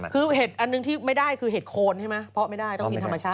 คือเห็ดอันหนึ่งที่ไม่ได้คือเห็ดโคนใช่ไหมเพราะไม่ได้ต้องกินธรรมชาติ